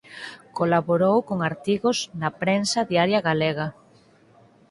Colaborou con artigos na prensa diaria galega.